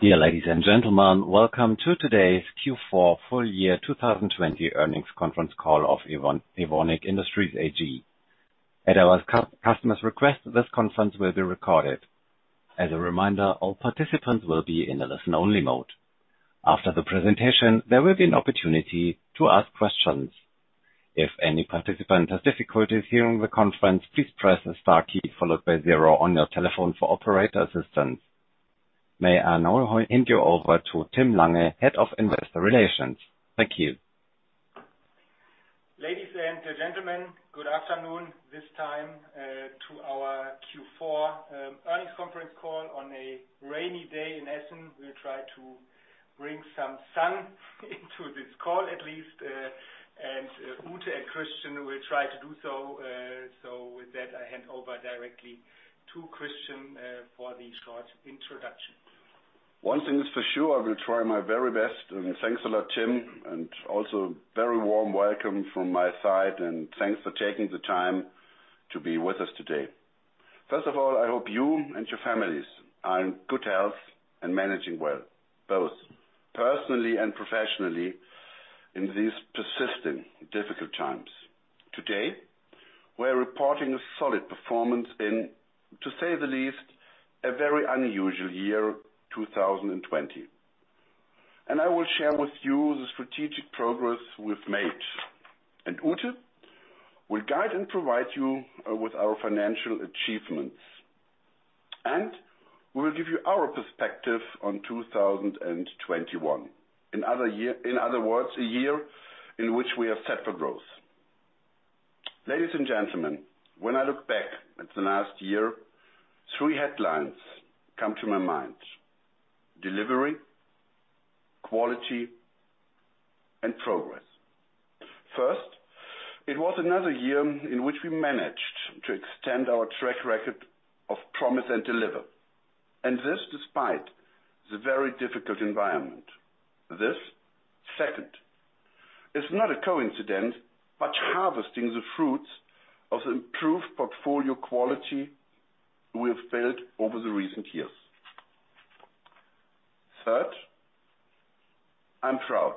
Dear ladies and gentlemen, welcome to today's Q4 Full Year 2020 Earnings Conference Call of Evonik Industries AG. At our customers' request, this conference will be recorded. As a reminder, all participants will be in a listen-only mode. After the presentation, there will be an opportunity to ask questions. If any participant has difficulties hearing the conference, please press the star key followed by zero on your telephone for operator assistance. May I now hand you over to Tim Lange, Head of Investor Relations. Thank you. Ladies and gentlemen, good afternoon, this time to our Q4 earnings conference call on a rainy day in Essen. We'll try to bring some sun into this call, at least. Ute and Christian will try to do so. With that, I hand over directly to Christian for the short introduction. One thing is for sure, I will try my very best. Thanks a lot, Tim, and also very warm welcome from my side and thanks for taking the time to be with us today. First of all, I hope you and your families are in good health and managing well, both personally and professionally in these persistent difficult times. Today, we're reporting a solid performance in, to say the least, a very unusual year, 2020. I will share with you the strategic progress we've made. Ute will guide and provide you with our financial achievements. We will give you our perspective on 2021. In other words, a year in which we are set for growth. Ladies and gentlemen, when I look back at the last year, three headlines come to my mind: delivery, quality, and progress. First, it was another year in which we managed to extend our track record of promise and deliver. This, despite the very difficult environment. This, second, is not a coincidence, but harvesting the fruits of the improved portfolio quality we have built over the recent years. Third, I'm proud.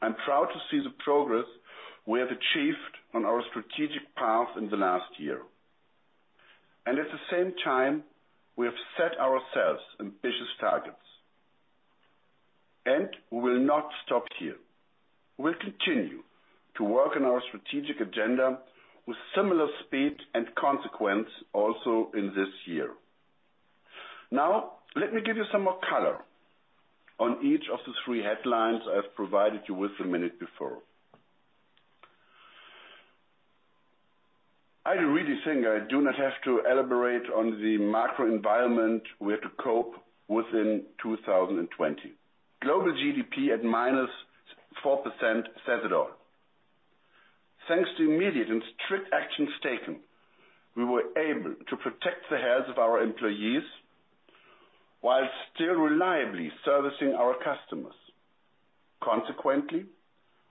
I'm proud to see the progress we have achieved on our strategic path in the last year. At the same time, we have set ourselves ambitious targets. We will not stop here. We'll continue to work on our strategic agenda with similar speed and consequence also in this year. Now, let me give you some more color on each of the three headlines I've provided you with a minute before. I really think I do not have to elaborate on the macro environment we had to cope with in 2020. Global GDP at -4% says it all. Thanks to immediate and strict actions taken, we were able to protect the health of our employees while still reliably servicing our customers. Consequently,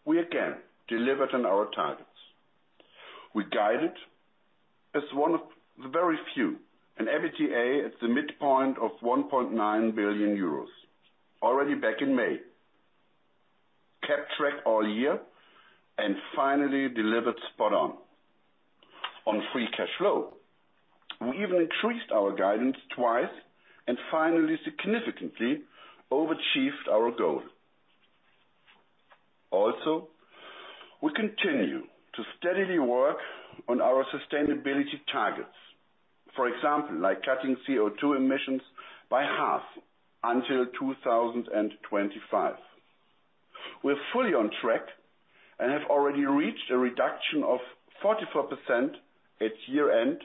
we again delivered on our targets. We guided as one of the very few, an EBITDA at the midpoint of 1.9 billion euros, already back in May. Kept track all year and finally delivered spot on. On free cash flow, we even increased our guidance twice and finally significantly overachieved our goal. Also, we continue to steadily work on our sustainability targets. For example, like cutting CO2 emissions by half until 2025. We're fully on track and have already reached a reduction of 44% at year-end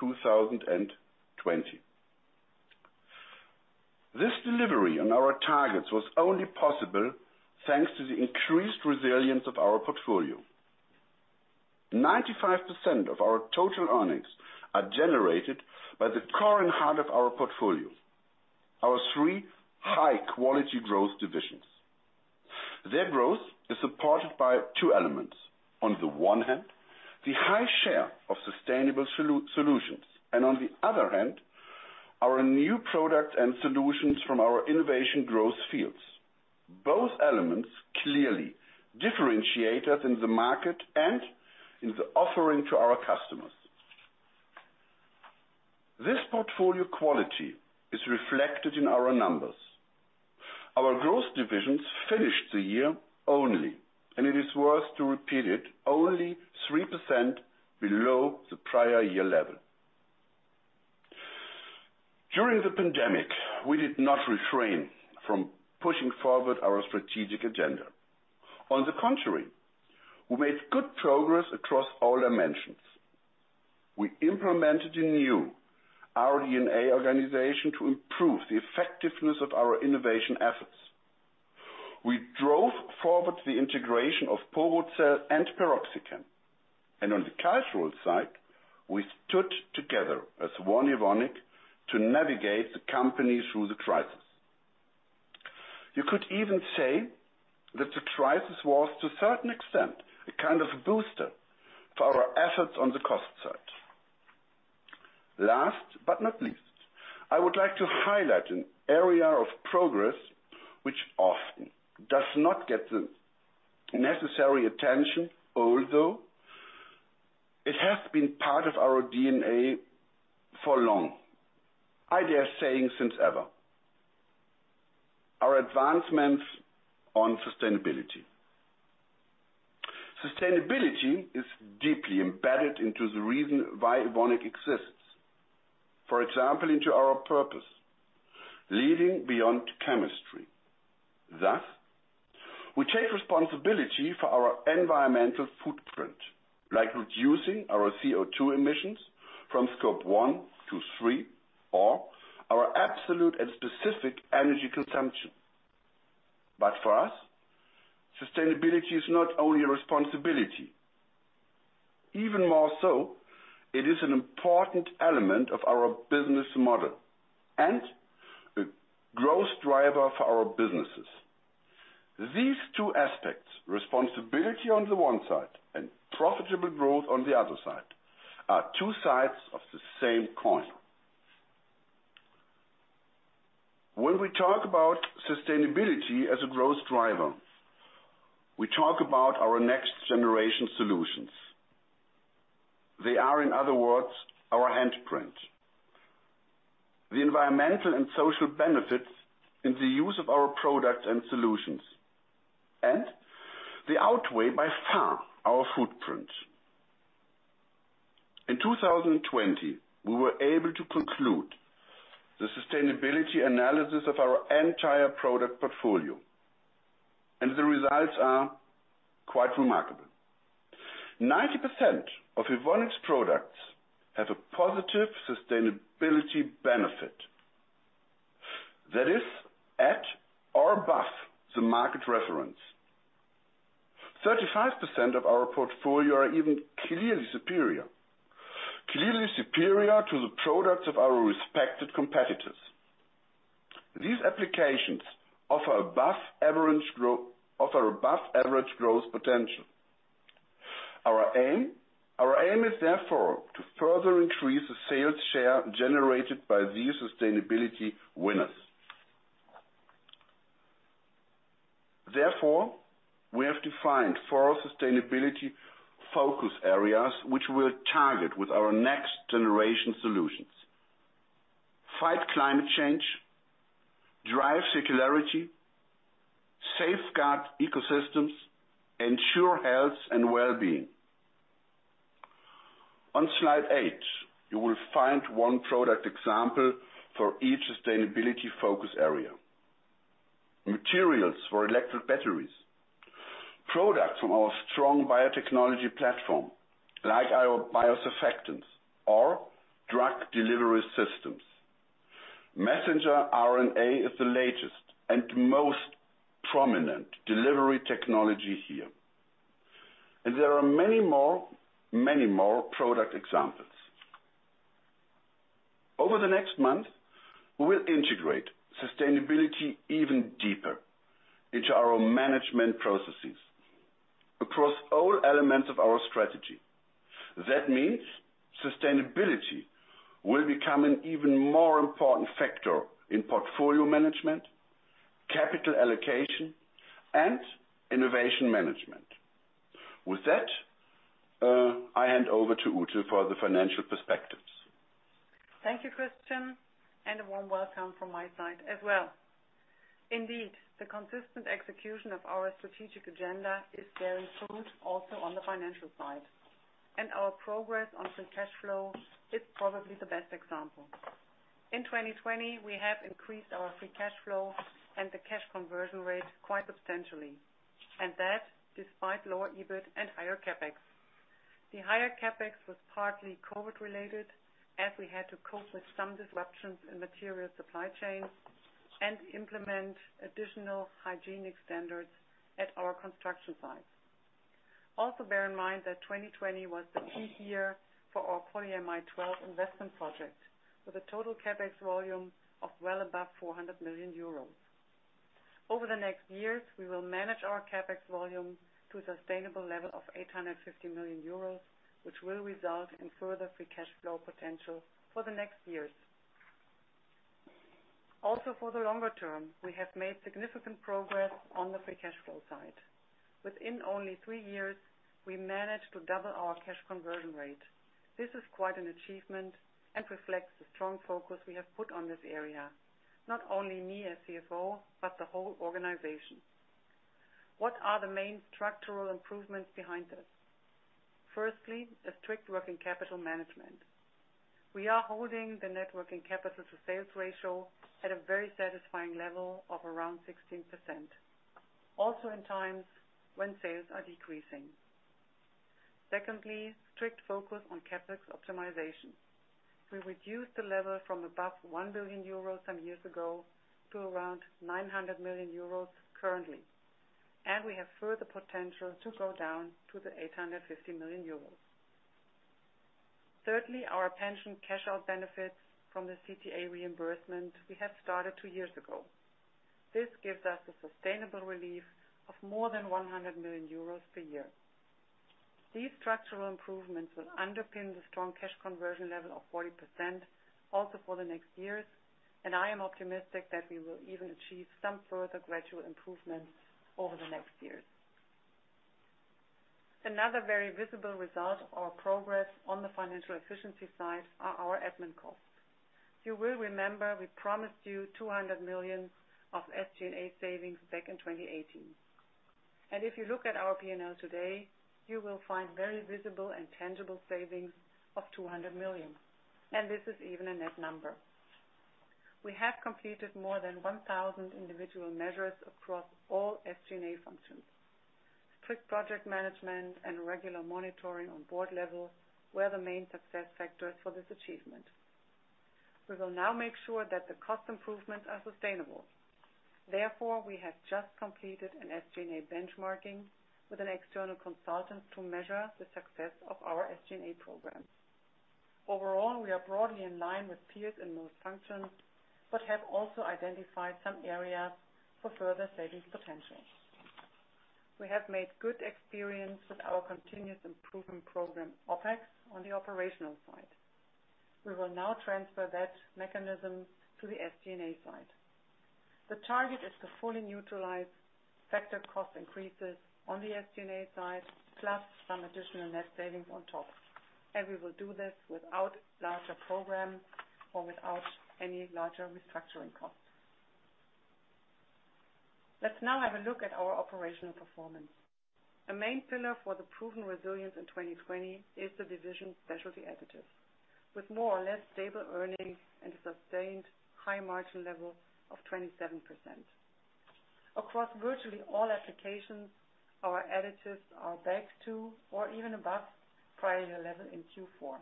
2020. This delivery on our targets was only possible thanks to the increased resilience of our portfolio. 95% of our total earnings are generated by the current heart of our portfolio, our three high-quality growth divisions. Their growth is supported by two elements. On the one hand, the high share of sustainable solutions, on the other hand, our new products and solutions from our innovation growth fields. Both elements clearly differentiate us in the market and in the offering to our customers. This portfolio quality is reflected in our numbers. Our growth divisions finished the year only, and it is worth to repeat it, only 3% below the prior year level. During the pandemic, we did not refrain from pushing forward our strategic agenda. On the contrary, we made good progress across all dimensions. We implemented a new Our DNA organization to improve the effectiveness of our innovation efforts. We drove forward the integration of Porocel and PeroxyChem. On the cash flow side, we stood together as one Evonik to navigate the company through the crisis. You could even say that the crisis was, to a certain extent, a kind of booster for our efforts on the cost side. Last but not least, I would like to highlight an area of progress which often does not get the necessary attention, although it has been part of Our DNA for long. I dare saying since ever. Our advancements on sustainability. Sustainability is deeply embedded into the reason why Evonik exists. For example, into our purpose, leading beyond chemistry. Thus, we take responsibility for our environmental footprint, like reducing our CO2 emissions from Scope 1-3, or our absolute and specific energy consumption. For us, sustainability is not only a responsibility. Even more so, it is an important element of our business model and a growth driver for our businesses. These two aspects, responsibility on the one side and profitable growth on the other side, are two sides of the same coin. When we talk about sustainability as a growth driver, we talk about our next generation solutions. They are, in other words, our handprint. The environmental and social benefits in the use of our products and solutions, they outweigh by far our footprint. In 2020, we were able to conclude the sustainability analysis of our entire product portfolio, the results are quite remarkable. 90% of Evonik's products have a positive sustainability benefit that is at or above the market reference. 35% of our portfolio are even clearly superior to the products of our respected competitors. These applications offer above average growth potential. Our aim is therefore to further increase the sales share generated by these sustainability winners. Therefore, we have defined four sustainability focus areas, which we'll target with our next generation solutions. Fight climate change, drive circularity, safeguard ecosystems, ensure health and wellbeing. On slide eight, you will find one product example for each sustainability focus area. Materials for electric batteries. Products from our strong biotechnology platform, like our biosurfactants or drug delivery systems. Messenger RNA is the latest and most prominent delivery technology here. There are many more product examples. Over the next month, we will integrate sustainability even deeper into our management processes across all elements of our strategy. That means sustainability will become an even more important factor in portfolio management, capital allocation, and innovation management. With that, I hand over to Ute for the financial perspectives. Thank you, Christian. A warm welcome from my side as well. Indeed, the consistent execution of our strategic agenda is bearing fruit also on the financial side, and our progress on free cash flow is probably the best example. In 2020, we have increased our free cash flow and the cash conversion rate quite substantially, and that despite lower EBIT and higher CapEx. The higher CapEx was partly COVID related, as we had to cope with some disruptions in material supply chains and implement additional hygienic standards at our construction sites. Also bear in mind that 2020 was the peak year for our Polyamide 12 investment project, with a total CapEx volume of well above 400 million euros. Over the next years, we will manage our CapEx volume to a sustainable level of 850 million euros, which will result in further free cash flow potential for the next years. For the longer term, we have made significant progress on the free cash flow side. Within only three years, we managed to double our cash conversion rate. This is quite an achievement and reflects the strong focus we have put on this area. Not only me as Chief Financial Officer, but the whole organization. What are the main structural improvements behind this? Firstly, a strict working capital management. We are holding the net working capital to sales ratio at a very satisfying level of around 16%. In times when sales are decreasing. Secondly, strict focus on CapEx optimization. We reduced the level from above 1 billion euros some years ago to around 900 million euros currently, and we have further potential to go down to 850 million euros. Thirdly, our pension cash out benefits from the CTA reimbursement we have started two years ago. This gives us a sustainable relief of more than 100 million euros per year. These structural improvements will underpin the strong cash conversion level of 40%, also for the next years. I am optimistic that we will even achieve some further gradual improvements over the next years. Another very visible result of our progress on the financial efficiency side are our admin costs. You will remember, we promised you 200 million of SG&A savings back in 2018. If you look at our P&L today, you will find very visible and tangible savings of 200 million. This is even a net number. We have completed more than 1,000 individual measures across all SG&A functions. Strict project management and regular monitoring on board level were the main success factors for this achievement. We will now make sure that the cost improvements are sustainable. Therefore, we have just completed an SG&A benchmarking with an external consultant to measure the success of our SG&A program. Overall, we are broadly in line with peers in most functions, but have also identified some areas for further savings potential. We have made good experience with our continuous improvement program, OPEX, on the operational side. We will now transfer that mechanism to the SG&A side. The target is to fully neutralize factor cost increases on the SG&A side, plus some additional net savings on top. We will do this without larger programs or without any larger restructuring costs. Let's now have a look at our operational performance. A main pillar for the proven resilience in 2020 is the Division Specialty Additives, with more or less stable earnings and a sustained high margin level of 27%. Across virtually all applications, our additives are back to or even above prior year level in Q4.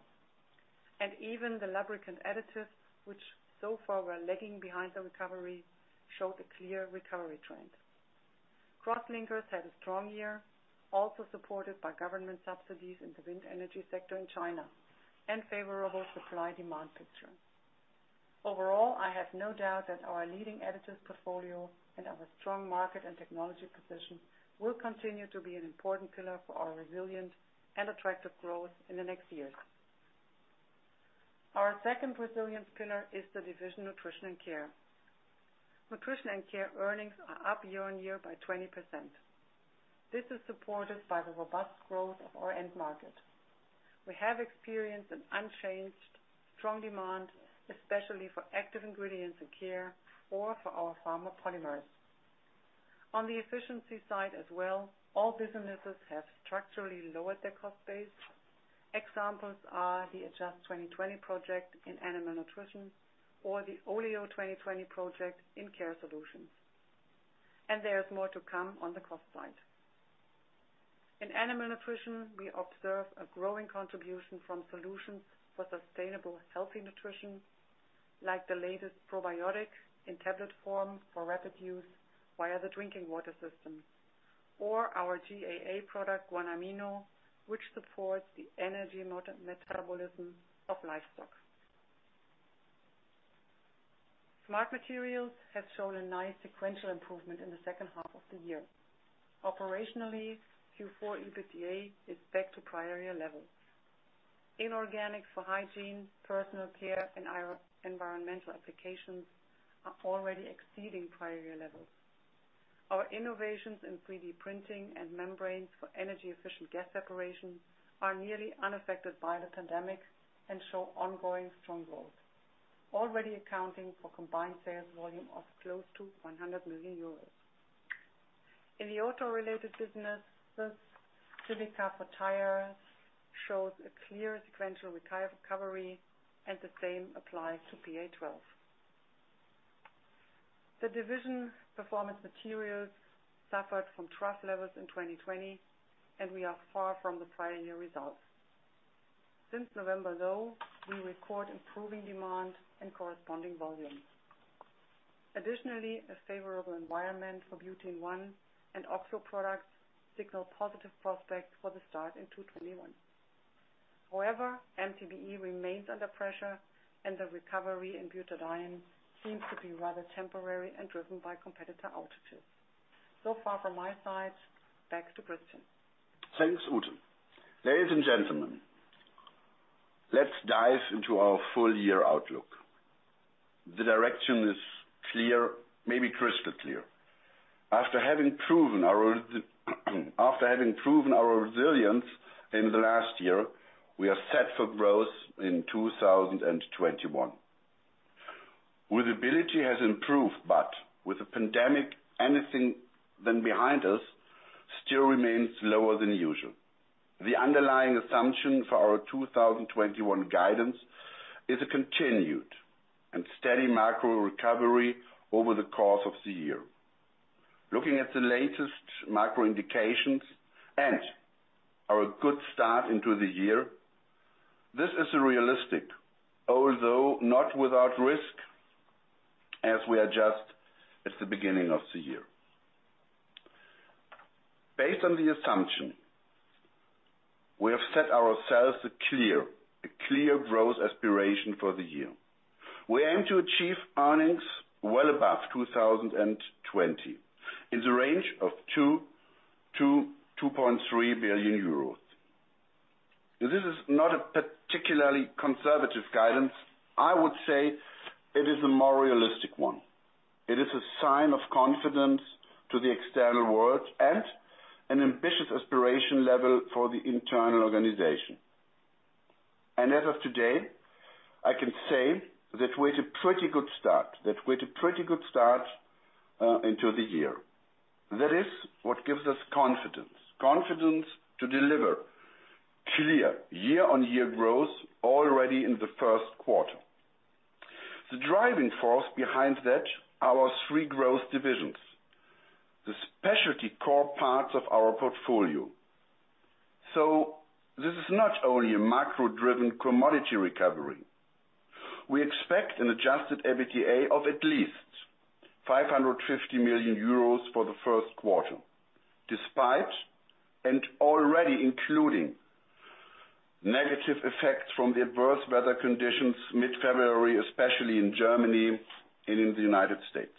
Even the lubricant additives, which so far were lagging behind the recovery, showed a clear recovery trend. Crosslinkers had a strong year, also supported by government subsidies in the wind energy sector in China, and favorable supply-demand picture. Overall, I have no doubt that our leading additives portfolio and our strong market and technology position will continue to be an important pillar for our resilience and attractive growth in the next years. Our second resilience pillar is the Division Nutrition & Care. Nutrition & Care earnings are up year-over-year by 20%. This is supported by the robust growth of our end market. We have experienced an unchanged strong demand, especially for active ingredients in care or for our pharma polymers. On the efficiency side as well, all businesses have structurally lowered their cost base. Examples are the Adjust 2020 project in Animal Nutrition, or the Oleo 2020 project in Care Solutions. There is more to come on the cost side. In Animal Nutrition, we observe a growing contribution from solutions for sustainable healthy nutrition, like the latest probiotic in tablet form for rapid use via the drinking water system, or our GAA product, GuanAMINO, which supports the energy metabolism of livestock. Smart Materials have shown a nice sequential improvement in the second half of the year. Operationally, Q4 EBITDA is back to prior year levels. Inorganic for hygiene, personal care, and environmental applications are already exceeding prior year levels. Our innovations in 3D printing and membranes for energy-efficient gas separation are nearly unaffected by the pandemic and show ongoing strong growth, already accounting for combined sales volume of close to 100 million euros. In the auto-related businesses, silica for tires shows a clear sequential recovery, and the same applies to PA12. The Division Performance Materials suffered from trough levels in 2020, and we are far from the prior year results. Since November, though, we record improving demand and corresponding volumes. Additionally, a favorable environment for Butene-1 and oxo products signal positive prospects for the start in 2021. However, MTBE remains under pressure and the recovery in Butadiene seems to be rather temporary and driven by competitor outages. Far from my side, back to Christian. Thanks, Ute. Ladies and gentlemen, let's dive into our full-year outlook. The direction is clear, maybe crystal clear. After having proven our resilience in the last year, we are set for growth in 2021. Visibility has improved, with the pandemic anything but behind us still remains lower than usual. The underlying assumption for our 2021 guidance is a continued and steady macro recovery over the course of the year. Looking at the latest macro indications and our good start into the year, this is realistic, although not without risk, as we are just at the beginning of the year. Based on the assumption, we have set ourselves a clear growth aspiration for the year. We aim to achieve earnings well above 2020 in the range of 2 billion-2.3 billion euros. This is not a particularly conservative guidance. I would say it is a more realistic one. It is a sign of confidence to the external world and an ambitious aspiration level for the internal organization. As of today, I can say that we're to a pretty good start into the year. That is what gives us confidence. Confidence to deliver clear year-on-year growth already in the first quarter. The driving force behind that, our three growth divisions, the specialty core parts of our portfolio. This is not only a macro-driven commodity recovery. We expect an adjusted EBITDA of at least 550 million euros for the first quarter, despite and already including negative effects from the adverse weather conditions mid-February, especially in Germany and in the United States.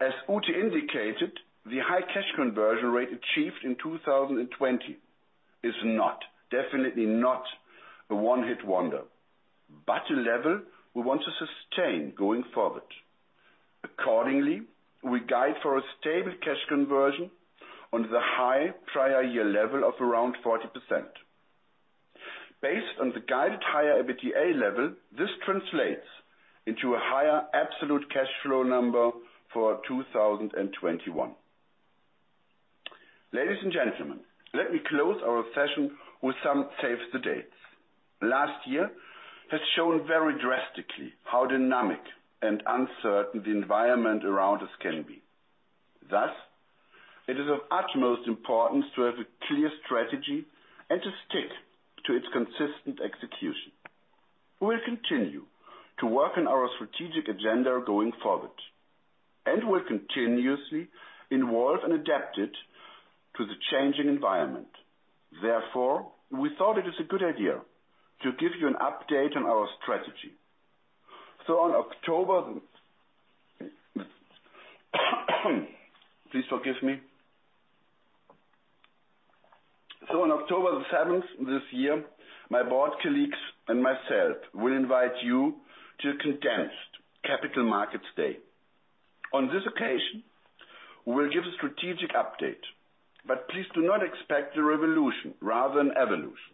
As Ute indicated, the high cash conversion rate achieved in 2020 is definitely not a one-hit wonder, but a level we want to sustain going forward. Accordingly, we guide for a stable cash conversion on the high prior year level of around 40%. Based on the guided higher EBITDA level, this translates into a higher absolute cash flow number for 2021. Ladies and gentlemen, let me close our session with some save the dates. Last year has shown very drastically how dynamic and uncertain the environment around us can be. It is of utmost importance to have a clear strategy and to stick to its consistent execution. We'll continue to work on our strategic agenda going forward, will continuously involve and adapt it to the changing environment. We thought it is a good idea to give you an update on our strategy. On October, please forgive me. On October 7th this year, my board colleagues and myself will invite you to a condensed Capital Markets Day. On this occasion, we'll give a strategic update. Please do not expect a revolution rather an evolution.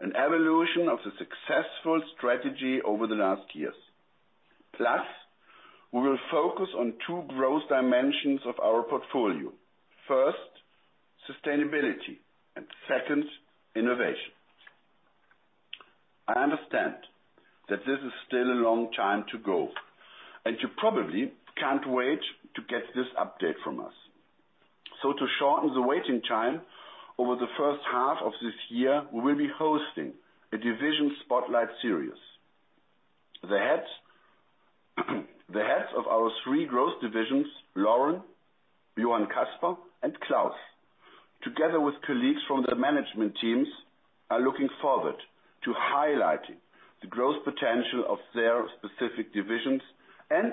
An evolution of the successful strategy over the last years. We will focus on two growth dimensions of our portfolio. First, sustainability, and second, innovation. I understand that this is still a long time to go, and you probably can't wait to get this update from us. To shorten the waiting time, over the first half of this year, we will be hosting a division spotlight series. The heads of our three growth divisions, Lauren, Johann-Caspar, and Claus, together with colleagues from the management teams, are looking forward to highlighting the growth potential of their specific divisions and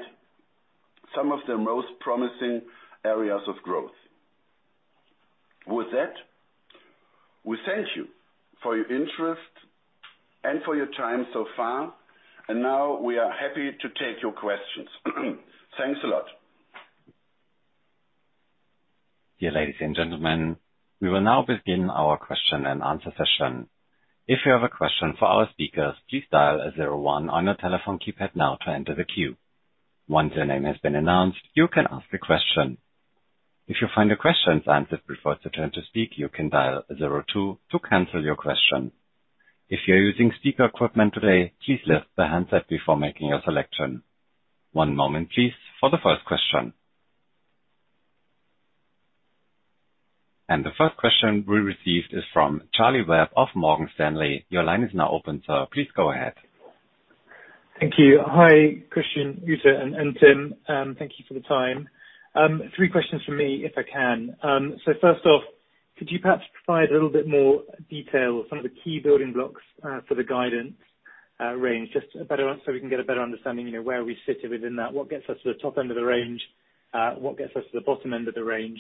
some of their most promising areas of growth. With that, we thank you for your interest and for your time so far, and now we are happy to take your questions. Thanks a lot. Dear ladies and gentlemen, we will now begin our question and answer session. The first question we received is from Charlie Webb of Morgan Stanley. Your line is now open, Sir. Please go ahead. Thank you. Hi, Christian, Ute, and Tim. Thank you for the time. Three questions from me, if I can. First off, could you perhaps provide a little bit more detail on some of the key building blocks for the guidance range? Just so we can get a better understanding, where we sit within that. What gets us to the top end of the range? What gets us to the bottom end of the range?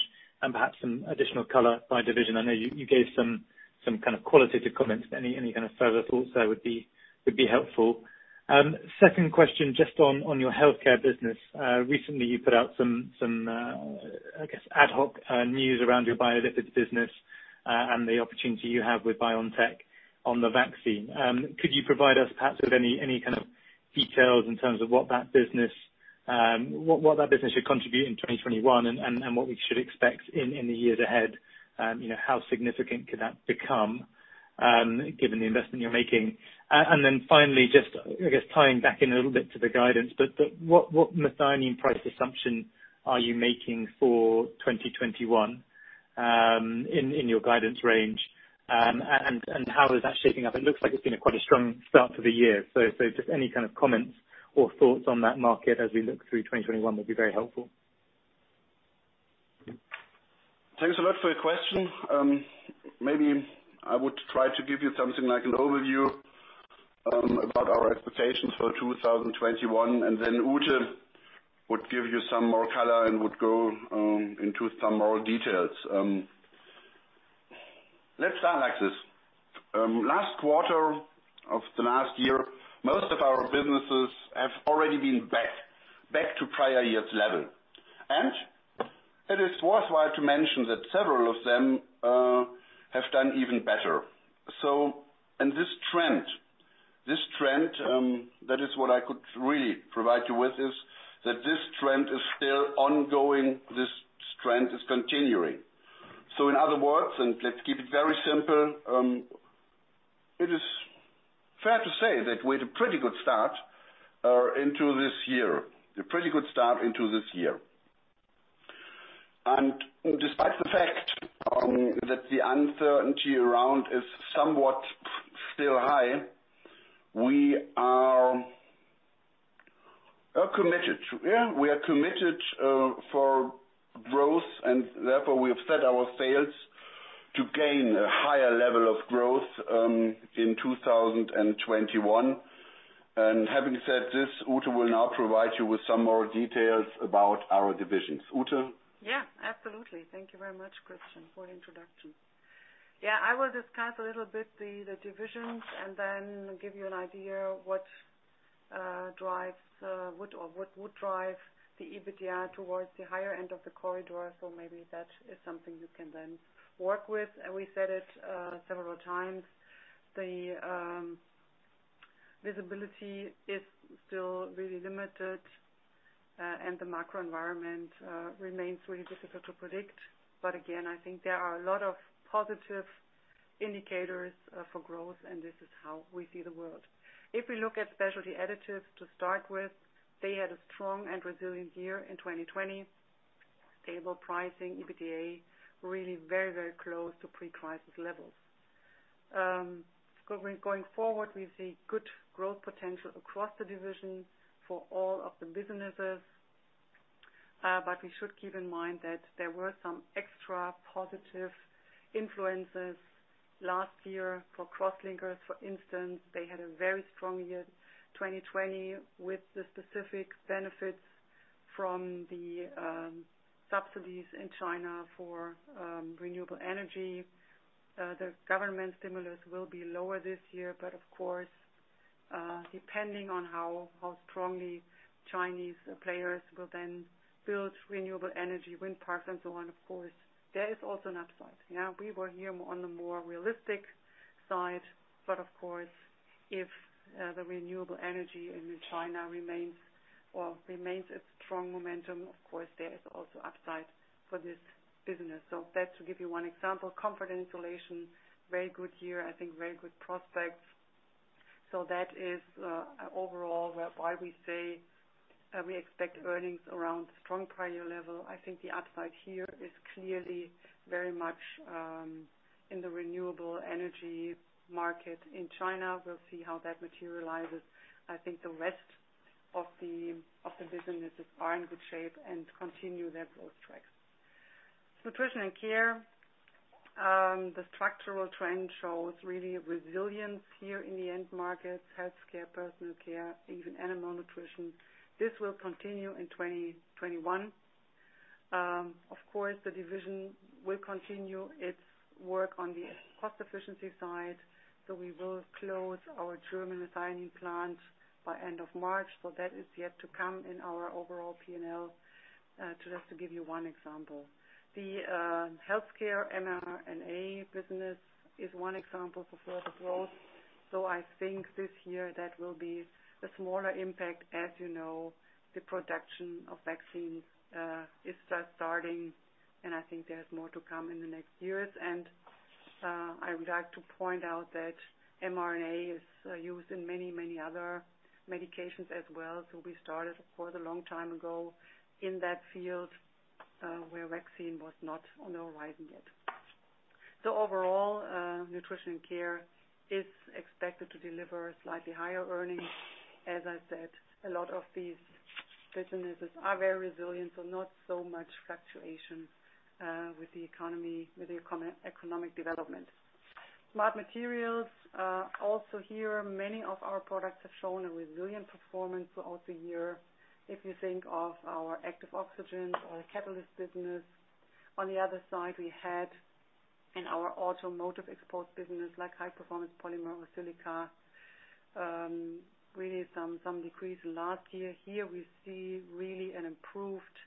Perhaps some additional color by division. I know you gave some kind of qualitative comments. Any kind of further thoughts there would be helpful. Second question, just on your healthcare business. Recently, you put out some, I guess, ad hoc news around your bio lipids business and the opportunity you have with BioNTech on the vaccine. Could you provide us perhaps with any kind of details in terms of what that business should contribute in 2021 and what we should expect in the years ahead? How significant could that become given the investment you're making? Finally, just I guess tying back in a little bit to the guidance, what methionine price assumption are you making for 2021 in your guidance range? How is that shaping up? It looks like it's been quite a strong start to the year. Just any kind of comments or thoughts on that market as we look through 2021 would be very helpful. Thanks a lot for your question. I would try to give you something like an overview about our expectations for 2021, and then Ute would give you some more color and would go into some more details. Let's start like this. Last quarter of the last year, most of our businesses have already been back to prior year's level. It is worthwhile to mention that several of them have done even better. This trend, that is what I could really provide you with, is that this trend is still ongoing. This trend is continuing. In other words, and let's keep it very simple, it is fair to say that we had a pretty good start into this year. Despite the fact that the uncertainty around is somewhat still high, we are committed. Yeah. We are committed for growth, therefore we have set our sails to gain a higher level of growth in 2021. Having said this, Ute will now provide you with some more details about our divisions. Ute? Yeah, absolutely. Thank you very much, Christian, for introduction. I will discuss a little bit the divisions and then give you an idea what would drive the EBITDA towards the higher end of the corridor. Maybe that is something you can then work with. We said it several times, the visibility is still really limited, and the macro environment remains really difficult to predict. Again, I think there are a lot of positive indicators for growth, and this is how we see the world. If we look at Specialty Additives to start with, they had a strong and resilient year in 2020. Stable pricing, EBITDA, really very close to pre-crisis levels. Going forward, we see good growth potential across the division for all of the businesses. We should keep in mind that there were some extra positive influences last year for crosslinkers, for instance. They had a very strong year, 2020, with the specific benefits from the subsidies in China for renewable energy. The government stimulus will be lower this year, of course, depending on how strongly Chinese players will then build renewable energy, wind parks and so on, of course, there is also an upside. We were here on the more realistic side, of course, if the renewable energy in China remains at strong momentum, of course, there is also upside for this business. That should give you one example. Comfort and insulation, very good year. I think very good prospects. That is, overall why we say we expect earnings around strong prior level. I think the upside here is clearly very much in the renewable energy market in China. We'll see how that materializes. I think the rest of the businesses are in good shape and continue their growth tracks. Nutrition & Care, the structural trend shows really resilience here in the end markets, healthcare, personal care, even Animal Nutrition. This will continue in 2021. The division will continue its work on the cost efficiency side, so we will close our German methionine plant by end of March. That is yet to come in our overall P&L, just to give you one example. The healthcare mRNA business is one example for further growth. I think this year that will be a smaller impact. As you know, the production of vaccines is just starting, and I think there's more to come in the next years. I would like to point out that mRNA is used in many other medications as well. We started, of course, a long time ago in that field, where vaccine was not on the horizon yet. Overall, Nutrition & Care is expected to deliver slightly higher earnings. As I said, a lot of these businesses are very resilient, so not so much fluctuation with the economic development. Smart Materials, also here, many of our products have shown a resilient performance throughout the year. If you think of our active oxygen or catalyst business. On the other side, we had in our automotive exposed business, like Polyamide 12 or silica, really some decrease last year. Here we see really an improved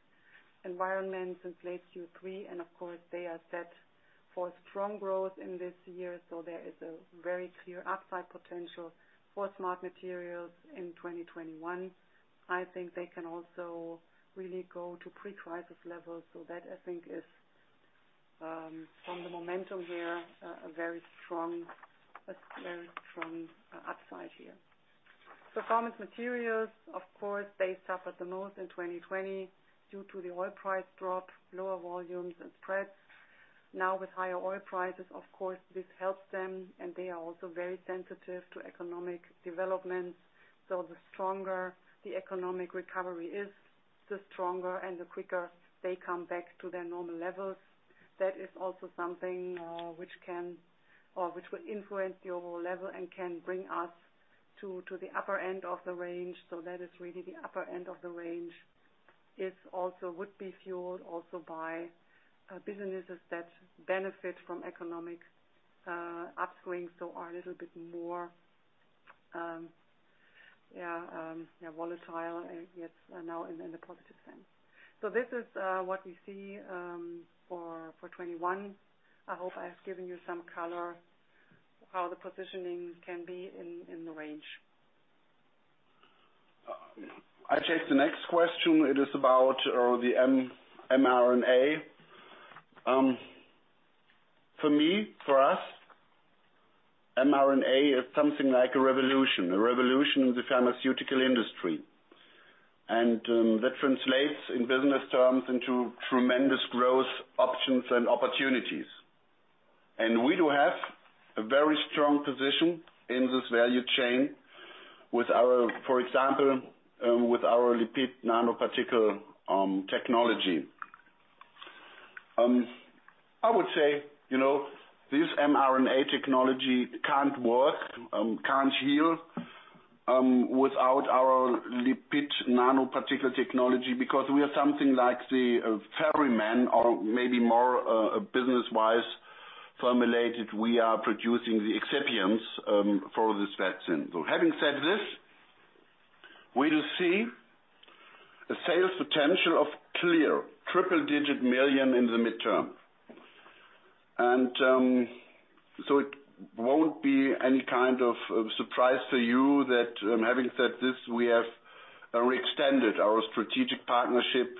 environment since late Q3, and of course, they are set for strong growth in this year. There is a very clear upside potential for Smart Materials in 2021. I think they can also really go to pre-crisis levels. That, I think is, from the momentum there, a very strong upside here. Performance Materials, of course, they suffered the most in 2020 due to the oil price drop, lower volumes and spreads. With higher oil prices, of course, this helps them, and they are also very sensitive to economic developments. The stronger the economic recovery is, the stronger and the quicker they come back to their normal levels. That is also something which will influence the overall level and can bring us to the upper end of the range. That is really the upper end of the range would be fueled also by businesses that benefit from economic upswing, so are a little bit more volatile, yes, now in the positive sense. This is what we see for 2021. I hope I have given you some color how the positioning can be in the range. I take the next question. It is about the mRNA. For me, for us, mRNA is something like a revolution, a revolution in the pharmaceutical industry. That translates in business terms into tremendous growth options and opportunities. We do have a very strong position in this value chain, for example, with our lipid nanoparticle technology. I would say, this mRNA technology can't work, can't heal, without our lipid nanoparticle technology, because we are something like the ferryman or maybe more businesswise formulated, we are producing the excipients for this vaccine. Having said this, we do see a sales potential of clear triple-digit million in the midterm. It won't be any kind of surprise to you that having said this, we have re-extended our strategic partnership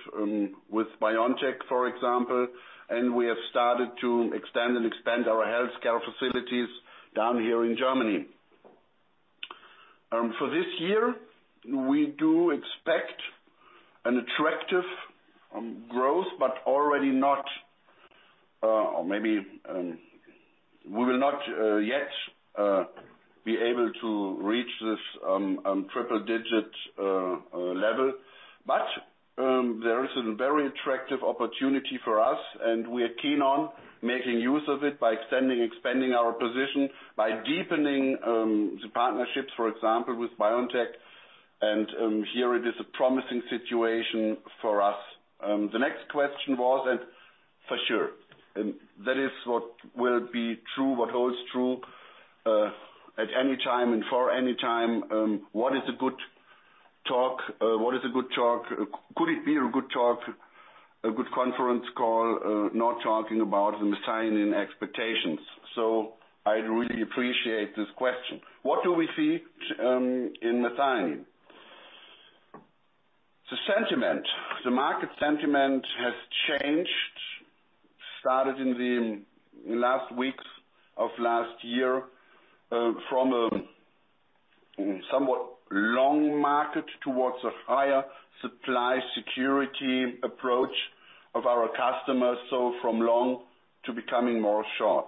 with BioNTech, for example, and we have started to extend our healthcare facilities down here in Germany. For this year, we do expect an attractive growth but already not, or maybe we will not yet be able to reach this triple digit level. There is a very attractive opportunity for us, and we are keen on making use of it by extending our position, by deepening the partnerships, for example, with BioNTech, and here it is a promising situation for us. The next question was, and for sure, that is what will be true, what holds true, at any time and for any time. What is a good talk? Could it be a good talk, a good conference call, not talking about methionine expectations? I really appreciate this question. What do we see in methionine? The sentiment, the market sentiment has changed, started in the last weeks of last year, from a somewhat long market towards a higher supply security approach of our customers, so from long to becoming more short.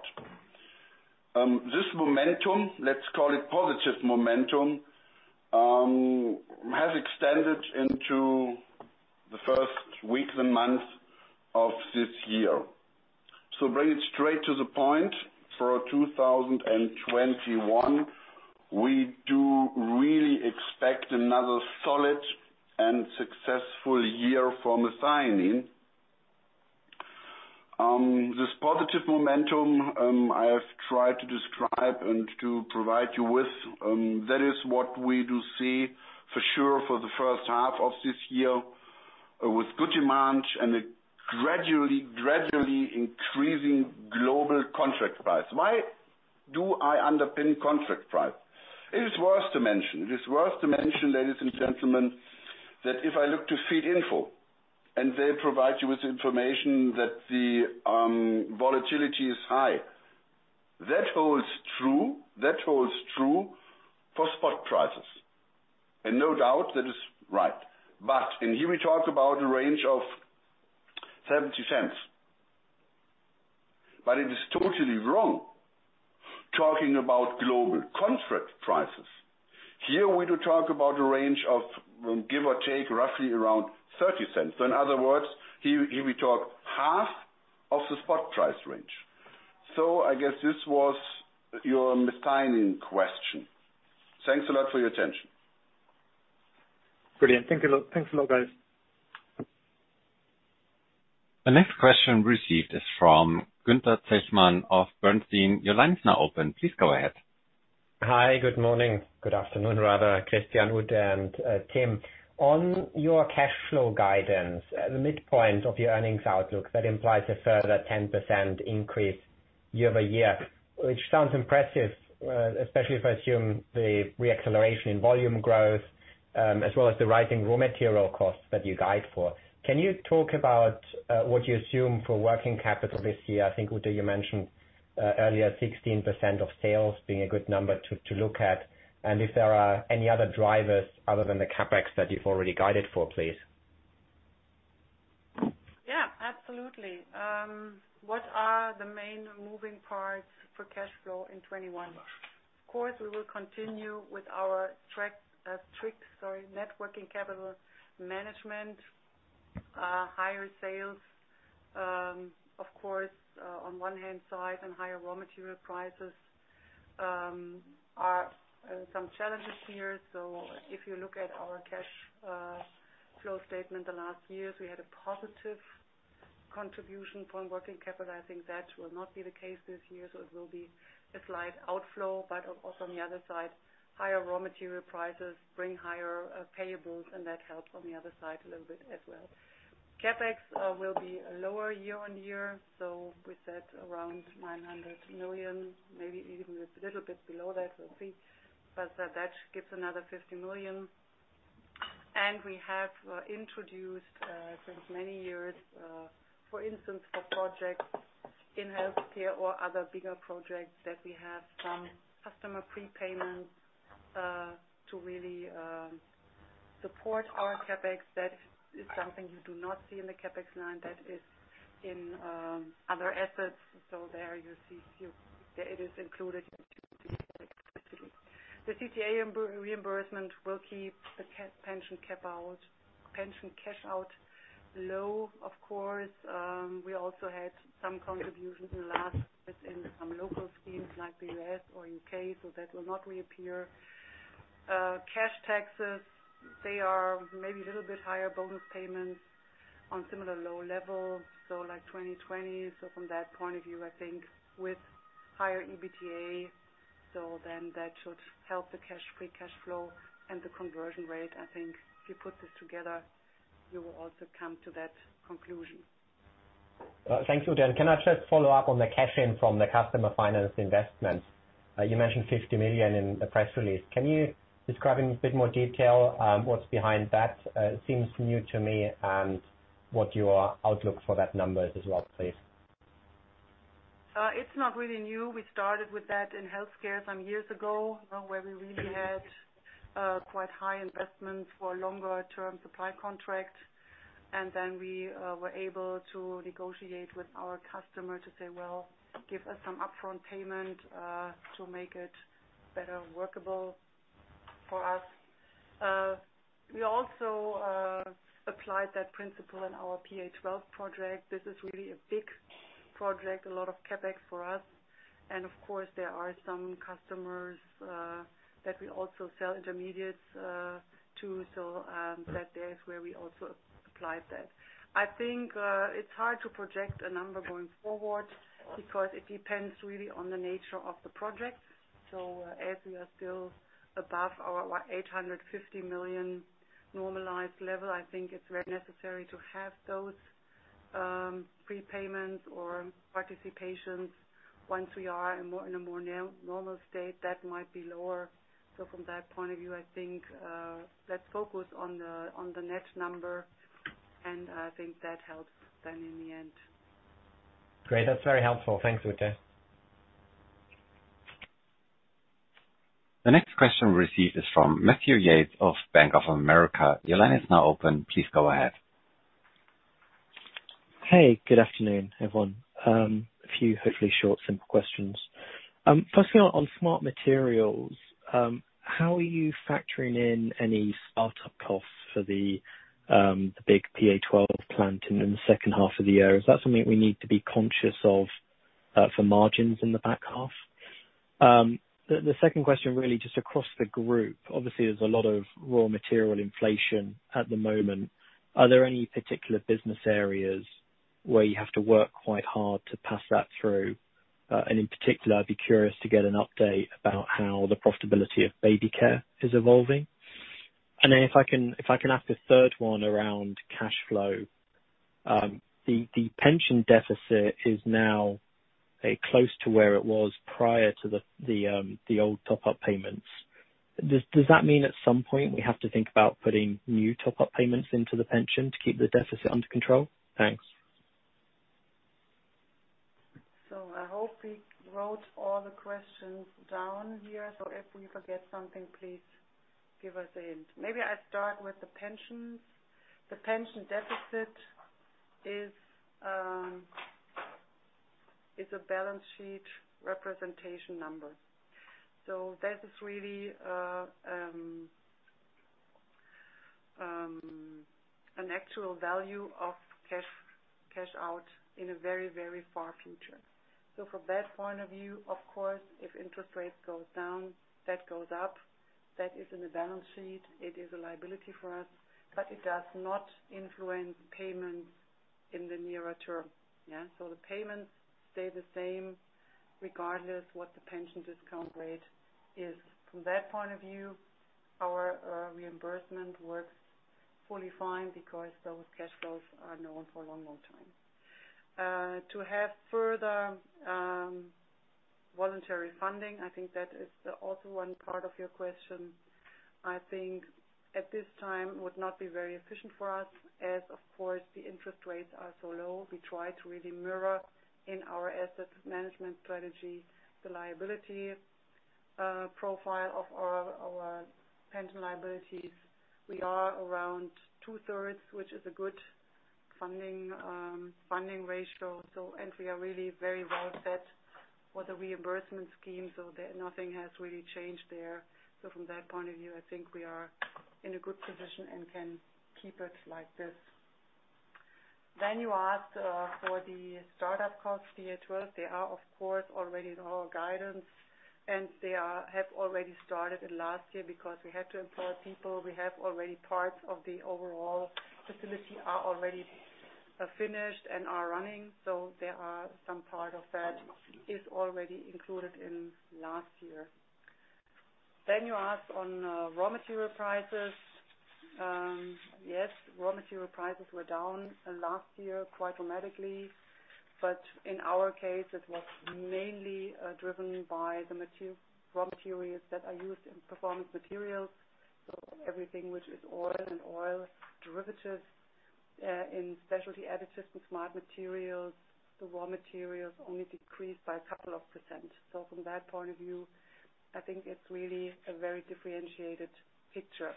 This momentum, let's call it positive momentum, has extended into the first weeks and months of this year. Bring it straight to the point, for 2021, we do really expect another solid and successful year for methionine. This positive momentum, I have tried to describe and to provide you with, that is what we do see for sure for the first half of this year, with good demand and a gradually increasing global contract price. Why do I underpin contract price? It is worth to mention, ladies and gentlemen, that if I look to Feedinfo and they provide you with information that the volatility is high, that holds true for spot prices. No doubt that is right. Here we talk about a range of 0.70. It is totally wrong talking about global contract prices. Here we do talk about a range of give or take roughly around 0.30. In other words, here we talk half of the spot price range. I guess this was your methionine question. Thanks a lot for your attention. Brilliant. Thanks a lot, guys. The next question received is from Gunther Zechmann of Bernstein. Your line is now open. Please go ahead. Hi. Good morning, good afternoon rather, Christian, Ute and Tim. On your cash flow guidance, the midpoint of your earnings outlook, that implies a further 10% increase year-over-year, which sounds impressive, especially if I assume the re-acceleration in volume growth, as well as the rising raw material costs that you guide for. Can you talk about what you assume for working capital this year? I think, Ute, you mentioned earlier 16% of sales being a good number to look at, and if there are any other drivers other than the CapEx that you've already guided for, please. Yeah, absolutely. What are the main moving parts for cash flow in 2021? Of course, we will continue with our strict networking capital management, higher sales, of course, on one hand side, and higher raw material prices are some challenges here. If you look at our cash flow statement the last years, we had a positive contribution from working capital. I think that will not be the case this year. It will be a slight outflow, but also on the other side, higher raw material prices bring higher payables, and that helps on the other side a little bit as well. CapEx will be lower year-on-year. We said around 900 million, maybe even a little bit below that. We'll see. That gives another 50 million. We have introduced since many years, for instance, for projects in healthcare or other bigger projects, that we have some customer prepayments, to really support our CapEx. That is something you do not see in the CapEx line. That is in other assets. There you see it is included into the specifically. The CTA reimbursement will keep the pension cash out low. Of course, we also had some contributions in the last bit in some local schemes like the U.S. or U.K., that will not reappear. Cash taxes, they are maybe a little bit higher bonus payments on similar low levels, like 2020. From that point of view, I think with higher EBITDA, that should help the cash, free cash flow and the conversion rate. I think if you put this together, you will also come to that conclusion. Thanks, Ute. Can I just follow up on the cash in from the customer finance investment? You mentioned 50 million in the press release. Can you describe in a bit more detail what's behind that? It seems new to me and what your outlook for that number is as well, please. It's not really new. We started with that in healthcare some years ago, where we really had quite high investments for longer term supply contract, and then we were able to negotiate with our customer to say, "Well, give us some upfront payment to make it better workable for us." We also applied that principle in our PA-12 project. This is really a big project, a lot of CapEx for us. Of course, there are some customers that we also sell intermediates to. That there is where we also applied that. I think it's hard to project a number going forward because it depends really on the nature of the project. As we are still above our 850 million normalized level, I think it's very necessary to have those prepayments or participations. Once we are in a more normal state, that might be lower. From that point of view, I think, let's focus on the net number, and I think that helps then in the end. Great. That's very helpful. Thanks, Ute. The next question received is from Matthew Yates of Bank of America. Your line is now open. Please go ahead. Hey, good afternoon, everyone. A few hopefully short, simple questions. Firstly, on Smart Materials, how are you factoring in any startup costs for the big PA-12 plant in the second half of the year? Is that something we need to be conscious of for margins in the back half? The second question, really just across the group, obviously there's a lot of raw material inflation at the moment. Are there any particular business areas where you have to work quite hard to pass that through? In particular, I'd be curious to get an update about how the profitability of baby care is evolving. If I can ask a third one around cash flow, the pension deficit is now close to where it was prior to the old top-up payments. Does that mean at some point we have to think about putting new top-up payments into the pension to keep the deficit under control? Thanks. I hope we wrote all the questions down here, so if we forget something, please give us a hint. Maybe I start with the pensions. The pension deficit is a balance sheet representation number. That is really an actual value of cash out in a very, very far future. From that point of view, of course, if interest rates goes down, that goes up. That is in the balance sheet. It is a liability for us, but it does not influence payments in the nearer term. Yeah. The payments stay the same regardless what the pension discount rate is. From that point of view, our reimbursement works fully fine because those cash flows are known for a long, long time. To have further voluntary funding, I think that is also one part of your question. I think at this time would not be very efficient for us as, of course, the interest rates are so low. We try to really mirror in our asset management strategy the liability-profile of our pension liabilities. We are around 2/3, which is a good funding ratio. We are really very well set for the reimbursement scheme, nothing has really changed there. From that point of view, I think we are in a good position and can keep it like this. You asked for the startup costs, PA-12. They are, of course, already in our guidance, and they have already started in last year because we had to employ people. We have already parts of the overall facility are already finished and are running. There are some part of that is already included in last year. You asked on raw material prices. Yes, raw material prices were down last year, quite dramatically. In our case, it was mainly driven by the raw materials that are used in Performance Materials. Everything which is oil and oil derivatives in Specialty Additives and Smart Materials, the raw materials only decreased by a couple of percent. From that point of view, I think it's really a very differentiated picture.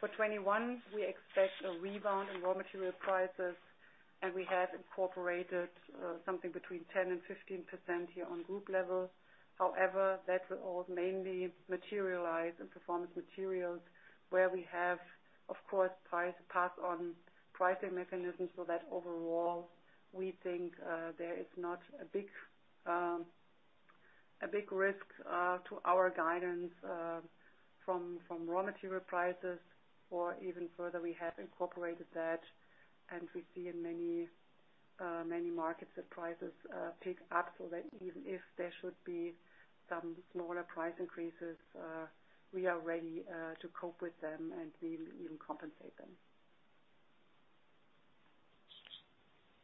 For 2021, we expect a rebound in raw material prices, and we have incorporated something between 10% and 15% here on group level. That will all mainly materialize in Performance Materials where we have, of course, pass-on pricing mechanisms, so that overall, we think there is not a big risk to our guidance from raw material prices or even further, we have incorporated that and we see in many markets that prices pick up so that even if there should be some smaller price increases, we are ready to cope with them and we will even compensate them.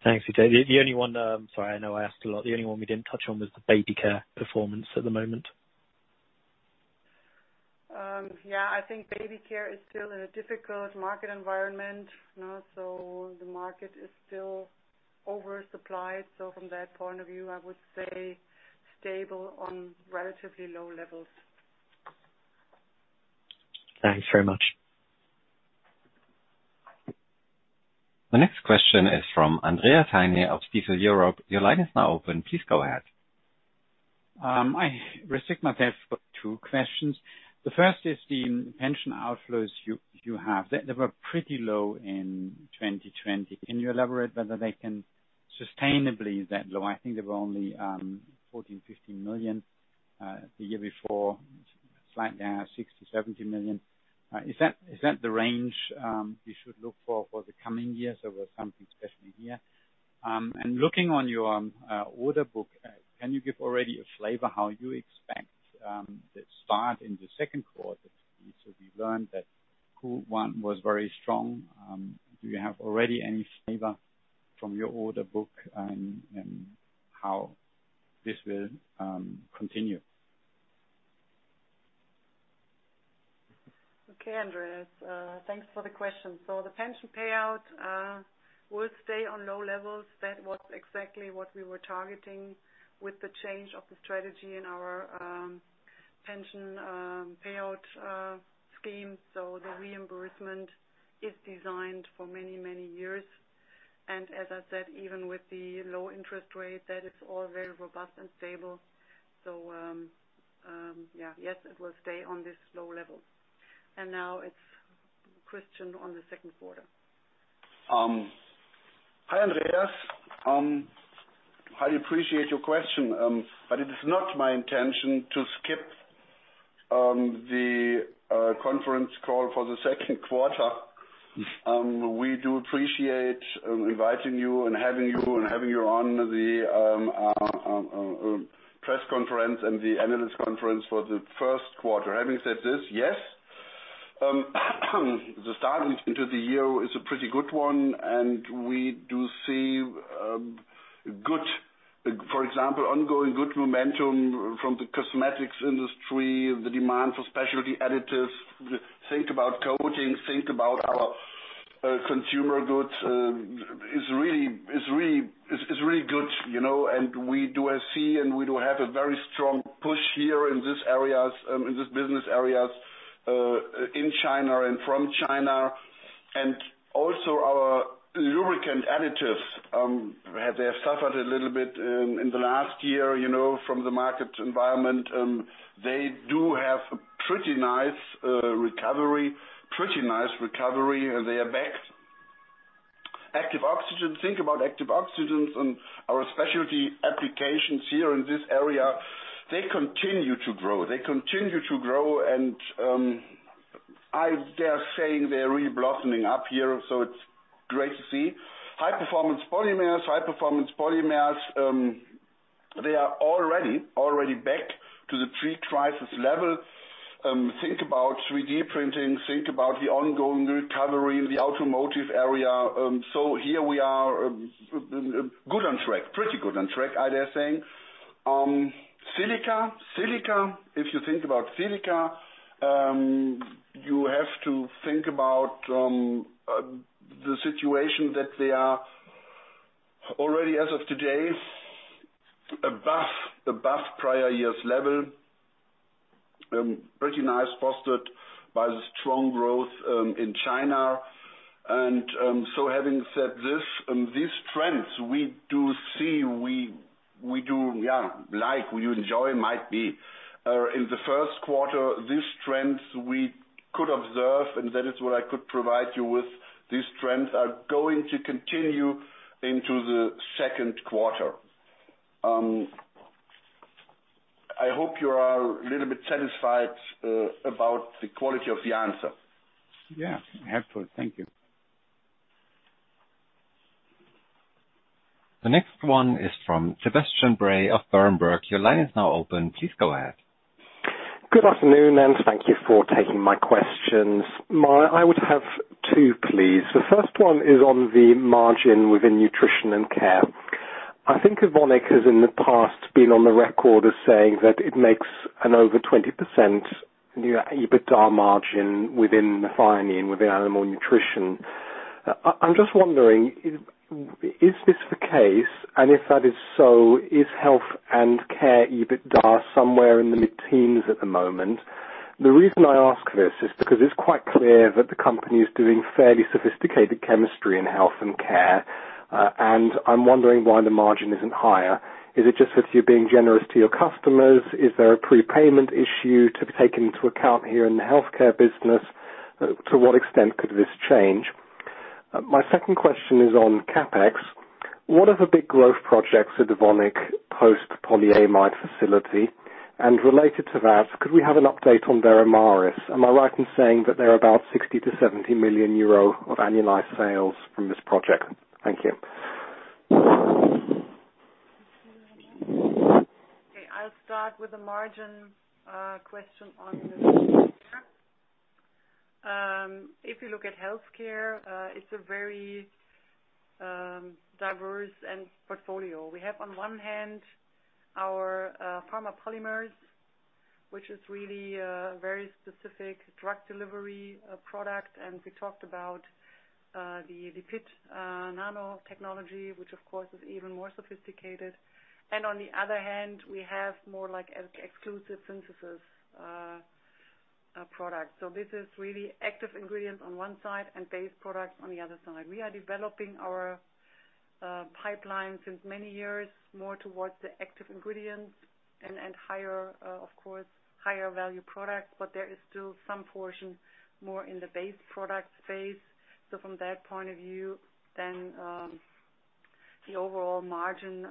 Thanks, Ute. The only one, sorry, I know I asked a lot, the only one we didn't touch on was the Baby Care performance at the moment. Yeah. I think Baby Care is still in a difficult market environment. The market is still oversupplied. From that point of view, I would say stable on relatively low levels. Thanks very much. The next question is from Andreas Heine of Stifel Europe. Your line is now open. Please go ahead. I have two questions. The first is the pension outflows you have. They were pretty low in 2020. Can you elaborate whether they can sustainably that low? I think they were only 14 million, 15 million. The year before, slightly down, 60 million, 70 million. Is that the range we should look for for the coming years, or was it something special here? Looking on your order book, can you give already a flavor how you expect the start in the second quarter to be? We learned that Q1 was very strong. Do you have already any flavor from your order book and how this will continue? Okay, Andreas. Thanks for the question. The pension payout will stay on low levels. That was exactly what we were targeting with the change of the strategy in our pension payout scheme. The reimbursement is designed for many, many years. As I said, even with the low interest rate, that is all very robust and stable. Yes, it will stay on this low level. Now it's Christian on the second quarter. Hi, Andreas. I appreciate your question. It is not my intention to skip the conference call for the second quarter. We do appreciate inviting you and having you on the press conference and the analyst conference for the first quarter. Having said this, yes, the start into the year is a pretty good one, and we do see good, for example, ongoing good momentum from the cosmetics industry, the demand for Specialty Additives. Think about coatings, think about our consumer goods. It's really good. We do see, and we do have a very strong push here in these business areas in China and from China. Also our lubricant additives, they have suffered a little bit in the last year from the market environment. They do have a pretty nice recovery, and they are back. Active oxygen, think about active oxygen and our specialty applications here in this area. They continue to grow. I dare saying they're really blossoming up here. It's great to see. High-performance polymers. High-performance polymers, they are already back to the pre-crisis level. Think about 3D printing, think about the ongoing recovery in the automotive area. Here we are good on track. Pretty good on track, I dare saying. Silica. Silica, if you think about silica, you have to think about the situation that they are already as of today, above prior year's level. Pretty nice, fostered by the strong growth in China. Having said this, these trends we do see, we do like, we do enjoy, might be. In the first quarter, these trends we could observe, and that is what I could provide you with. These trends are going to continue into the second quarter. I hope you are a little bit satisfied about the quality of the answer. Yeah, helpful. Thank you. The next one is from Sebastian Bray of Berenberg. Your line is now open. Please go ahead. Good afternoon, and thank you for taking my questions. I would have two, please. The first one is on the margin within Nutrition & Care. I think Evonik has in the past been on the record as saying that it makes an over 20% EBITDA margin within methionine, within Animal Nutrition. I'm just wondering, is this the case? And if that is so, is Care Solutions EBITDA somewhere in the mid-teens at the moment? The reason I ask this is because it's quite clear that the company is doing fairly sophisticated chemistry in Care Solutions, and I'm wondering why the margin isn't higher. Is it just with you being generous to your customers? Is there a prepayment issue to be taken into account here in the healthcare business? To what extent could this change? My second question is on CapEx. What are the big growth projects for Evonik post-polyamide facility? Related to that, could we have an update on Veramaris? Am I right in saying that there are about 60 million- 70 million euro of annualized sales from this project? Thank you. I'll start with the margin question on the. If you look at healthcare, it's a very diverse portfolio. We have on one hand our pharma polymers, which is really a very specific drug delivery product, and we talked about the lipid nano technology, which of course is even more sophisticated. On the other hand, we have more like exclusive synthesis products. This is really active ingredients on one side and base products on the other side. We are developing our pipeline since many years more towards the active ingredients and higher value products. There is still some portion more in the base product phase. From that point of view, the overall margin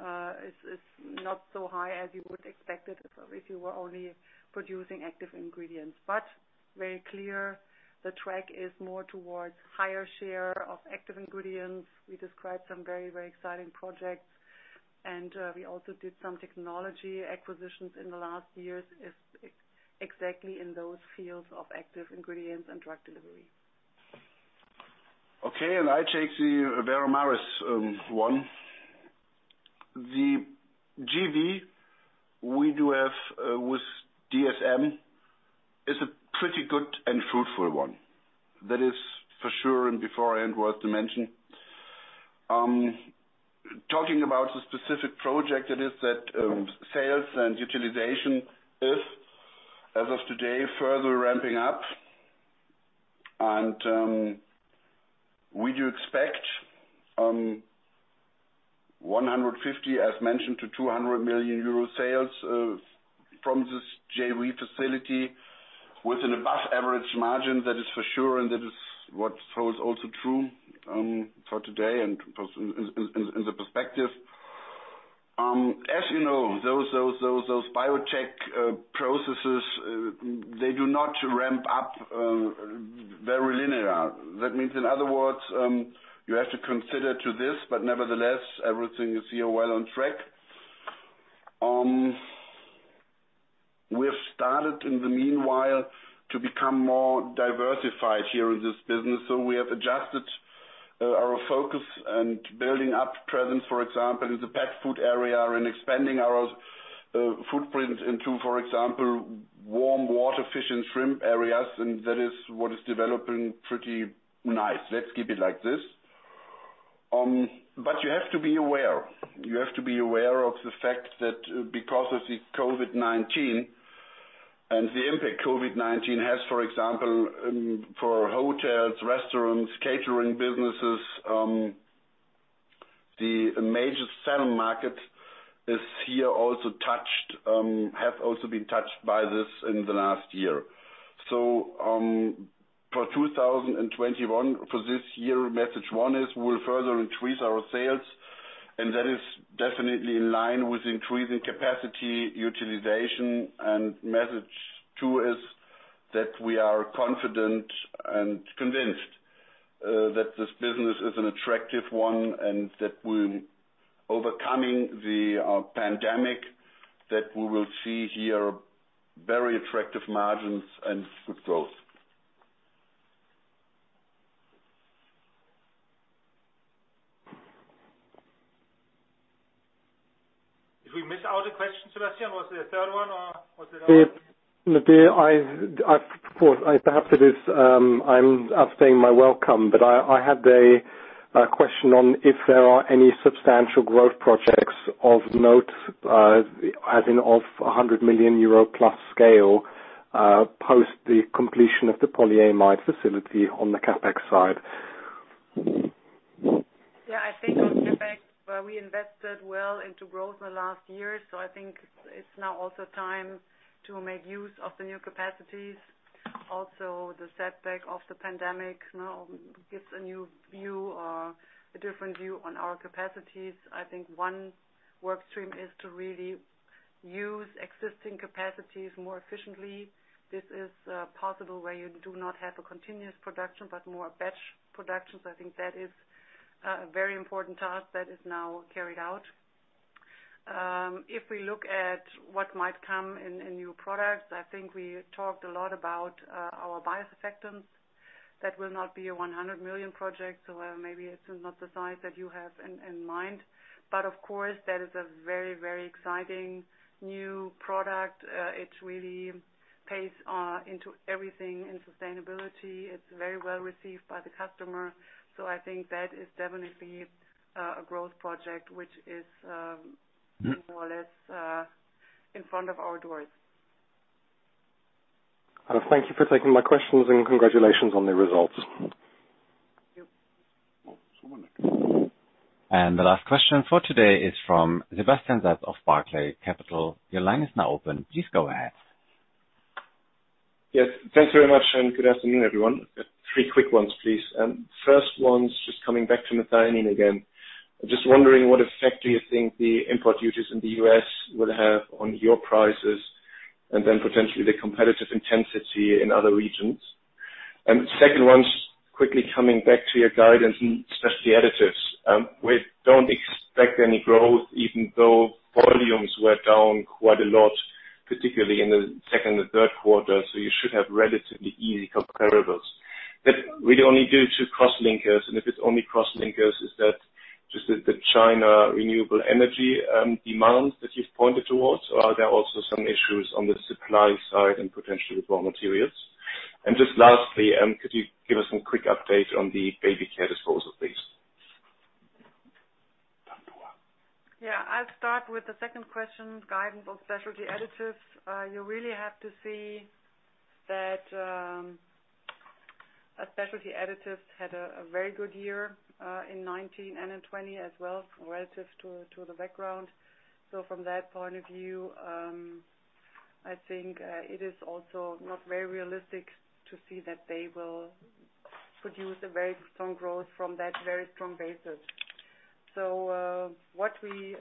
is not so high as you would expect it if you were only producing active ingredients. Very clear, the track is more towards higher share of active ingredients. We described some very exciting projects, and we also did some technology acquisitions in the last years, exactly in those fields of active ingredients and drug delivery. Okay. I take the Veramaris one. The JV we do have with DSM is a pretty good and fruitful one. That is for sure, and before I end, worth to mention. Talking about the specific project, it is that sales and utilization is, as of today, further ramping up. We do expect 150 million-200 million euro sales from this JV facility with an above-average margin, that is for sure, and that is what holds also true for today and in the perspective. As you know, those biotech processes, they do not ramp up very linear. That means, in other words, you have to consider to this, but nevertheless, everything is here well on track. We've started in the meanwhile to become more diversified here in this business. We have adjusted our focus and building up presence, for example, in the pet food area and expanding our footprint into, for example, warm water fish and shrimp areas, and that is what is developing pretty nice. Let's keep it like this. You have to be aware. You have to be aware of the fact that because of the COVID-19 and the impact COVID-19 has, for example, for hotels, restaurants, catering businesses, the major sales market is here have also been touched by this in the last year. For 2021, for this year, message one is we will further increase our sales, and that is definitely in line with increasing capacity utilization. Message two is that we are confident and convinced that this business is an attractive one and that we're overcoming the pandemic, that we will see here very attractive margins and good growth. Did we miss out a question, Sebastian? Was there a third one or was it? Ute, perhaps I'm outstaying my welcome, but I had a question on if there are any substantial growth projects of note, as in of 100 million euro plus scale, post the completion of the polyamide facility on the CapEx side. Yeah, I think on CapEx, we invested well into growth in the last year, so I think it's now also time to make use of the new capacities. The setback of the pandemic now gives a new view or a different view on our capacities. I think one work stream is to really use existing capacities more efficiently. This is possible where you do not have a continuous production, but more batch productions. I think that is a very important task that is now carried out. If we look at what might come in new products, I think we talked a lot about our biosurfactants. That will not be a 100 million project, so maybe it's not the size that you have in mind. Of course, that is a very exciting new product. It really pays into everything in sustainability. It's very well received by the customer. I think that is definitely a growth project which is more or less in front of our doors. Thank you for taking my questions and congratulations on the results. Thank you. Someone next. The last question for today is from Sebastian Satz of Barclays Capital. Your line is now open. Please go ahead. Yes, thanks very much, and good afternoon, everyone. Three quick ones, please. First one's just coming back to methionine again. I'm just wondering what effect do you think the import duties in the U.S. will have on your prices, and then potentially the competitive intensity in other regions? The second one's quickly coming back to your guidance in Specialty Additives. We don't expect any growth even though volumes were down quite a lot, particularly in the second and third quarter, so you should have relatively easy comparables. Is that really only due to crosslinkers, and if it's only crosslinkers, is that just the China renewable energy demand that you've pointed towards, or are there also some issues on the supply side and potentially with raw materials? Lastly, could you give us some quick update on the baby care disposal, please? I'll start with the second question, guidance on Specialty Additives. You really have to see that Specialty Additives had a very good year, in 2019 and in 2020 as well, relative to the background. From that point of view, I think it is also not very realistic to see that they will produce a very strong growth from that very strong basis. What we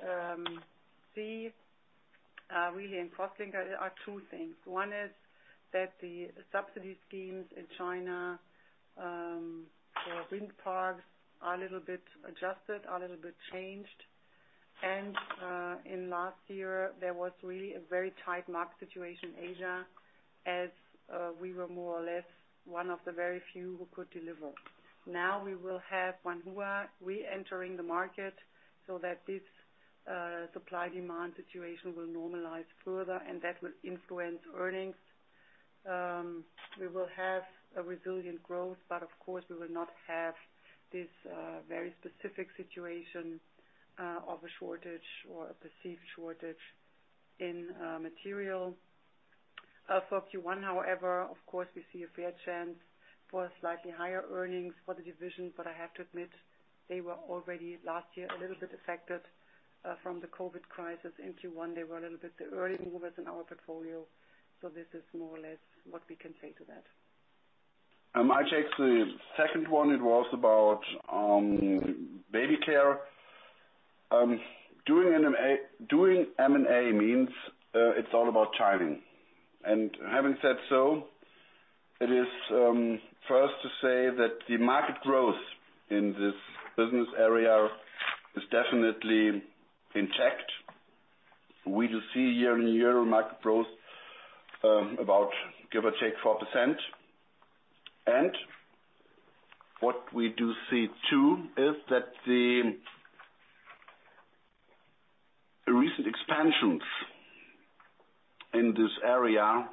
see really in crosslinker are two things. One is that the subsidy schemes in China for wind parks are a little bit adjusted, a little bit changed. In last year, there was really a very tight market situation Asia as we were more or less one of the very few who could deliver. Now we will have Wanhua re-entering the market so that this supply-demand situation will normalize further, and that will influence earnings. We will have a resilient growth, of course, we will not have this very specific situation of a shortage or a perceived shortage in material. For Q1, however, of course, we see a fair chance for slightly higher earnings for the division, I have to admit they were already last year a little bit affected from the COVID crisis in Q1. They were a little bit the early movers in our portfolio. This is more or less what we can say to that. I take the second one. It was about Baby Care. Doing M&A means it's all about timing. Having said so, it is fair to say that the market growth in this business area is definitely intact. We do see year-on-year market growth about, give or take, 4%. What we do see, too, is that the recent expansions in this area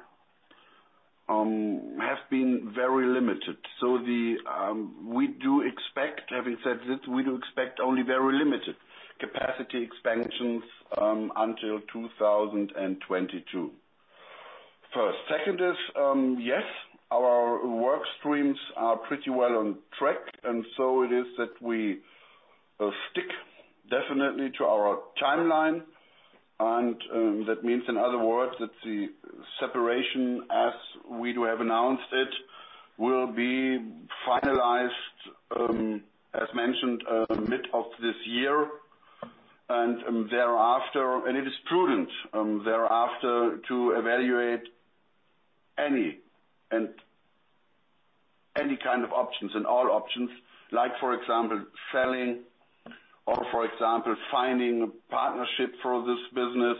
have been very limited. Having said this, we do expect only very limited capacity expansions until 2022. First. Second is, yes, our work streams are pretty well on track, and so it is that we stick definitely to our timeline. That means, in other words, that the separation, as we have announced it, will be finalized, as mentioned, mid of this year. It is prudent thereafter to evaluate any kind of options and all options, like for example, selling or for example, finding a partnership for this business.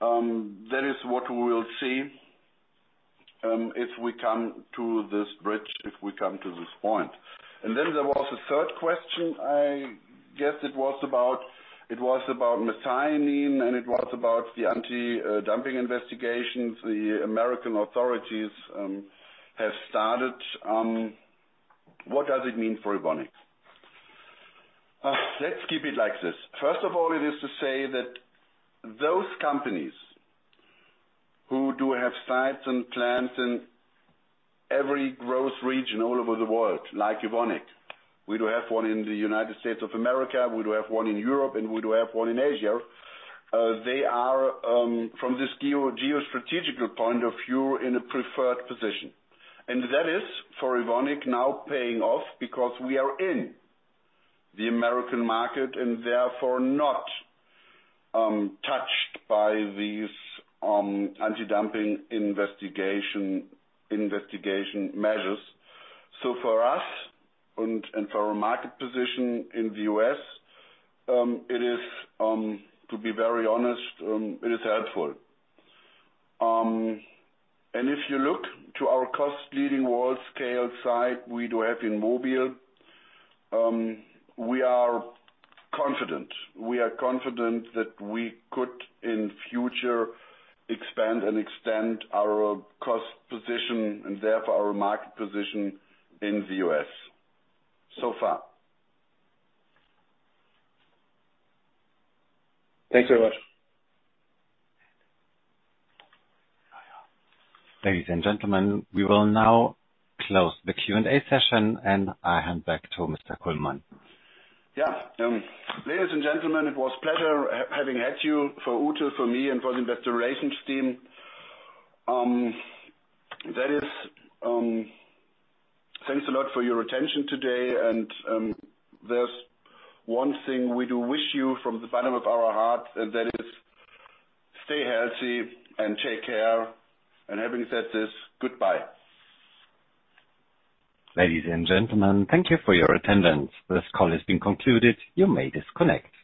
That is what we will see. If we come to this bridge, if we come to this point. There was a third question, I guess it was about methionine, and it was about the anti-dumping investigations the American authorities have started. What does it mean for Evonik? Let's keep it like this. First of all, it is to say that those companies who do have sites and plants in every growth region all over the world, like Evonik, we do have one in the United States of America, we do have one in Europe, and we do have one in Asia. They are, from this geostrategical point of view, in a preferred position. That is for Evonik now paying off because we are in the U.S. market and therefore not touched by these anti-dumping investigation measures. For us and for our market position in the U.S., it is, to be very honest, it is helpful. If you look to our cost-leading world scale site we do have in Mobile, we are confident. We are confident that we could, in future, expand and extend our cost position and therefore our market position in the U.S. so far. Thanks very much. Ladies and gentlemen, we will now close the Q&A session, and I hand back to Mr. Kullmann. Yeah. Ladies and gentlemen, it was pleasure having had you for Ute, for me, and for the investor relations team. Thanks a lot for your attention today. There's one thing we do wish you from the bottom of our hearts. That is stay healthy and take care. Having said this, goodbye. Ladies and gentlemen, thank you for your attendance. This call has been concluded. You may disconnect.